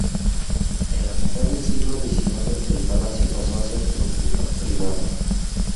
En la mitad del siglo diecinueve el palacio pasó a ser propiedad privada.